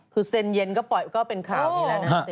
อ๋อคือเซ็นเย็นก็เป็นข่าวนี้แล้วนะ